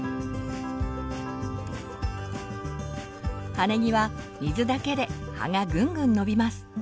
葉ねぎは水だけで葉がぐんぐん伸びます。